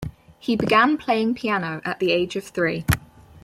He began playing piano at the age of three.